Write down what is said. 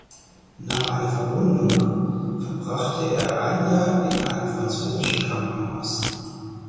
Nach einer Verwundung verbrachte er ein Jahr in einem französischen Krankenhaus.